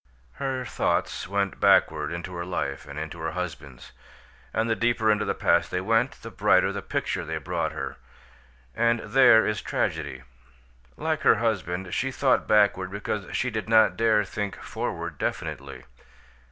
Her thoughts went backward into her life and into her husband's; and the deeper into the past they went, the brighter the pictures they brought her and there is tragedy. Like her husband, she thought backward because she did not dare think forward definitely.